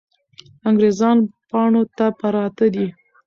انګریزان پاڼو ته پراته دي.